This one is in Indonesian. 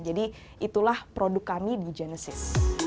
jadi itulah produk kami di genesis